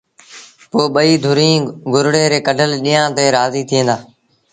پو ٻئيٚ ڌريٚݩ گرڙي ري ڪڍل ڏيݩهآݩ تي رآزيٚ ٿئيݩ دآ